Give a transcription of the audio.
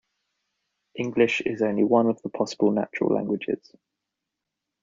English is only one of the possible natural languages.